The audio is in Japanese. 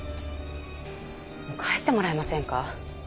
もう帰ってもらえませんか。